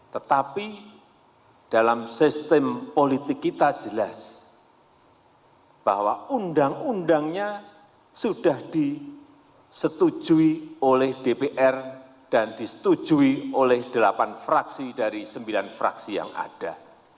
tetapi dalam sistem politik kita jelas bahwa undang undangnya sudah disetujui oleh dpr dan disetujui oleh delapan fraksi dari sembilan fraksi yang ada